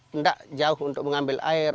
tidak jauh untuk mengambil air